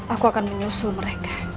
aku akan menyusul mereka